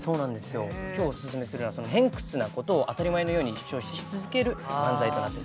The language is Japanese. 今日オススメするのは偏屈なことを当たり前のように主張し続ける漫才となっております。